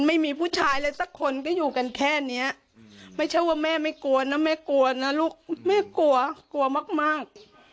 ไม่กลัวกลัวมาก